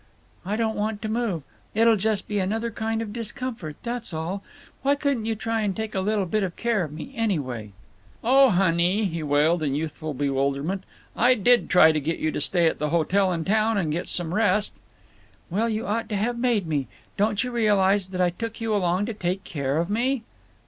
"I don't want to move. It'll just be another kind of discomfort, that's all. Why couldn't you try and take a little bit of care of me, anyway?" "Oh, hon ey!" he wailed, in youthful bewilderment. "I did try to get you to stay at that hotel in town and get some rest." "Well, you ought to have made me. Don't you realize that I took you along to take care of me?"